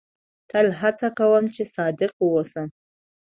تل هڅه کوم، چي صادق واوسم.